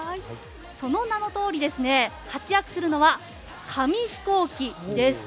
その名のとおり、活躍するのは紙ヒコーキです。